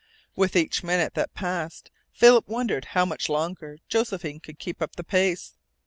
With each minute that passed Philip wondered how much longer Josephine could keep up the pace.